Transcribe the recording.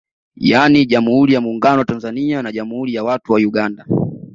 Yani Jammhuri ya Muungano wa Tanzania na Jammhuri ya watu wa Uganda